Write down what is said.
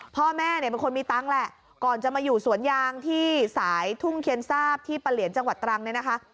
พ่อแม่เนี่ยเป็นคนมีตังค์แหละก่อนจะมาอยู่สวนยางที่สายทุ่งเคียนทราบที่ปะเหลียนจังหวัดตรังเนี่ยนะคะ